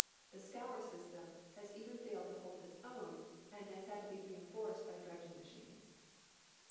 The "scour" system has even failed to hold its own, and has had to be reinforced by dredging machines.